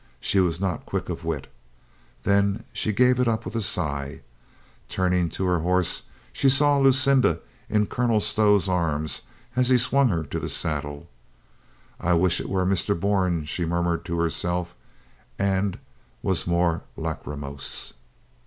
She was not quick of wit. Then she gave it up with a. sigh. Turning to her horse, she saw Lucinda in Colonel Stow's arms as he swung her to the saddle. "I wish it were Mr. Bourne," she murmured to her self, and was more lachrymose.